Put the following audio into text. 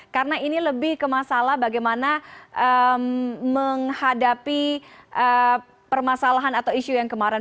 karena ini lebih ke masalah bagaimana menghadapi permasalahan atau isu yang kemarin